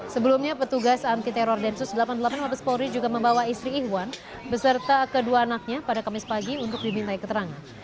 sebelumnya petugas anti teror densus delapan puluh delapan mabes polri juga membawa istri ihwan beserta kedua anaknya pada kamis pagi untuk dimintai keterangan